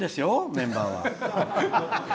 メンバーは。